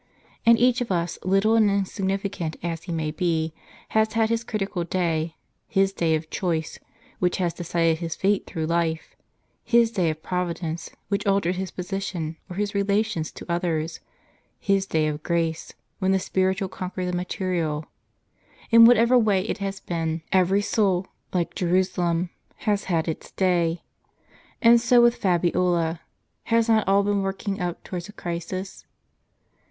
And each of us, little and insignificant as he may be, has had his critical day ; his day of choice, which has decided his fate through life ; his day of Providence, which altered his position or his relations to others ; his day of grace, when the spiritual conquered the material. In whatever way it has been, every soul, like Jerusalem,* has had its day. And so with Fabiola, has not all been working up towards a crisis